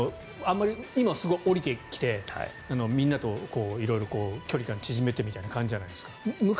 今は下りてきてみんなと色々距離感縮めてみたいな感じじゃないですか。